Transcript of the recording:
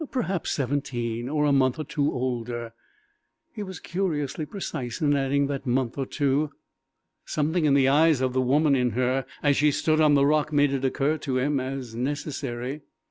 Perhaps seventeen, or a month or two older; he was curiously precise in adding that month or two. Something in the woman of her as she stood on the rock made it occur to him as necessary.